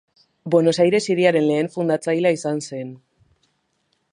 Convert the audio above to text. Buenos Aires hiriaren lehen fundatzailea izan zen.